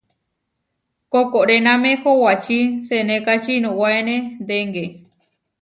Koʼkoréname howačí senékači inuwáene dengé.